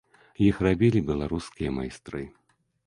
Іх рабілі беларускія майстры.